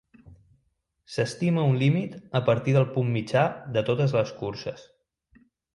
S'estima un límit a partir del punt mitjà de totes les curses.